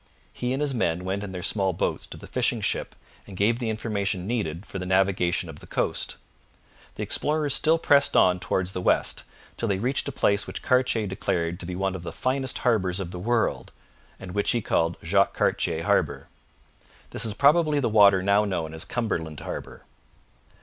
He and his men went in their small boats to the fishing ship and gave the information needed for the navigation of the coast. The explorers still pressed on towards the west, till they reached a place which Cartier declared to be one of the finest harbours of the world, and which he called Jacques Cartier Harbour. This is probably the water now known as Cumberland Harbour.